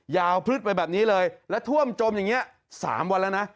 พลึดไปแบบนี้เลยและท่วมจมอย่างนี้๓วันแล้วนะ